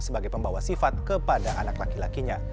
sebagai pembawa sifat kepada anak laki lakinya